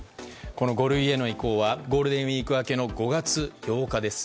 ５類への移行はゴールデンウィーク明けの５月８日です。